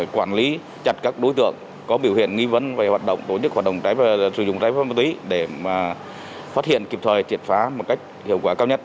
quản lý chặt các đối tượng có biểu hiện nghi vấn về hoạt động tổ chức hoạt động sử dụng trái phép ma túy để phát hiện kịp thời triệt phá một cách hiệu quả cao nhất